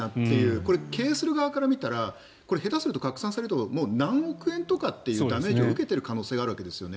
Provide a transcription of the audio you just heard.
これ、経営する側から見たら下手すると拡散されたらもう何億円とかというダメージを受けている可能性もあるわけですね。